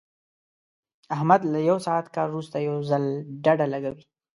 احمد له یو ساعت کار ورسته یو ځل ډډه لګوي.